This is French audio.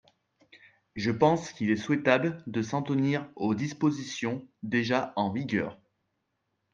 Je pense qu’il est souhaitable de s’en tenir aux dispositions déjà en vigueur.